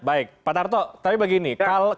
baik pak tarto tapi begini